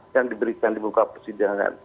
yang diberikan di muka persidangan